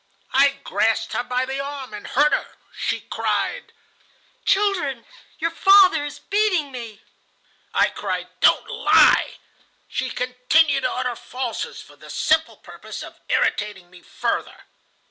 I grasped her by the arm, and hurt her. She cried: 'Children, your father is beating me.' I cried: 'Don't lie.' She continued to utter falsehoods for the simple purpose of irritating me further.